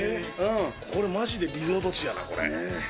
これ、まじでリゾート地だな、これ。